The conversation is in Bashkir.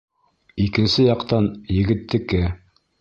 Икенсе яҡтан - егеттеке.